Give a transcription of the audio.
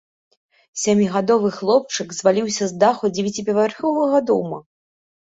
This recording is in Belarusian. Сямігадовы хлопчык зваліўся з даху дзевяціпавярховага дома.